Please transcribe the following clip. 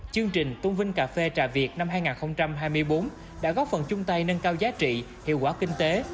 chương trình tôn vinh cà phê trà việt năm hai nghìn hai mươi bốn đã góp phần chung tay nâng cao giá trị hiệu quả kinh tế